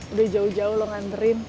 udah jauh jauh lo nganterin